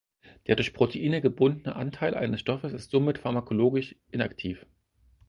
Der durch Proteine gebundene Anteil eines Stoffes ist somit pharmakologisch inaktiv.